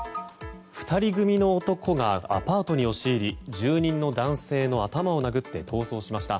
２人組の男がアパートに押し入り住人の男性の頭を殴って逃走しました。